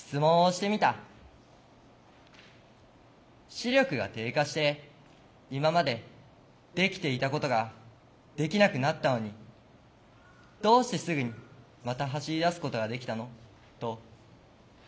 「視力が低下して今までできていたことができなくなったのにどうしてすぐにまた走りだすことができたの？」と。